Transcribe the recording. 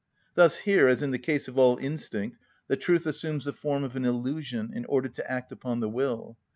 Thus here, as in the case of all instinct, the truth assumes the form of an illusion, in order to act upon the will.